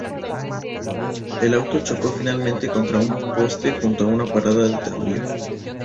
Su auto chocó finalmente contra un poste junto a una parada de tranvía.